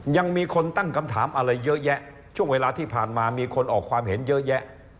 ยังมีคนตั้งคำถามอะไรเยอะแยะช่วงเวลาที่ผ่านมามีคนออกความเห็นเยอะแยะ